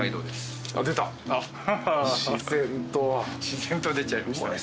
自然と出ちゃいましたね。